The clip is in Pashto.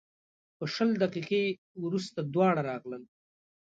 په شل دقیقې وروسته دواړه راغلل.